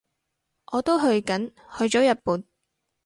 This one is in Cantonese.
我都去緊，去咗日本